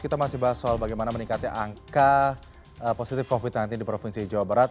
kita masih bahas soal bagaimana meningkatnya angka positif covid sembilan belas di provinsi jawa barat